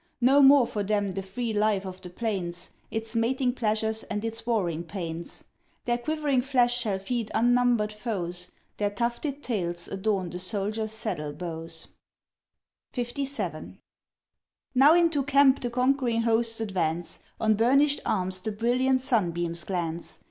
No more for them the free life of the plains, Its mating pleasures and its warring pains. Their quivering flesh shall feed unnumbered foes, Their tufted tails adorn the soldiers' saddle bows. LVIII. Now into camp the conquering hosts advance; On burnished arms the brilliant sunbeams glance.